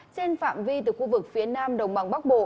trên phạm vi từ khu vực phía nam đồng bằng bắc bộ